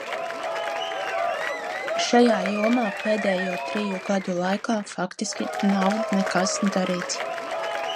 Šajā jomā pēdējo triju gadu laikā faktiski nav nekas darīts.